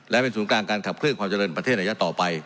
และเป็นศูนย์กลางการขับเคลื่อความเจริญประเทศระยะต่อไป